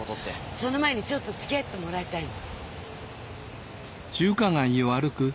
その前にちょっとつき合ってもらいたいの。